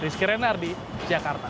rizky renardi jakarta